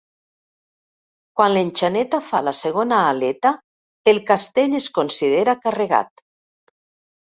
Quan l'enxaneta fa la segona aleta el castell es considera carregat.